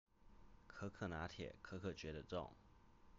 可可拿鐵，可可覺得重